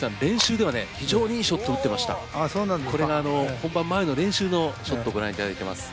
これが本番前の練習のショットご覧いただいてます。